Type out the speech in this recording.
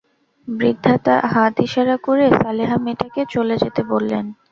বৃদ্ধা হাত ইশারা করে সালেহা মেয়েটাকে চলে যেতে বললেন।